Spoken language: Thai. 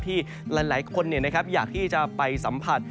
ที่หลายคนอยากที่จะไปสัมผัส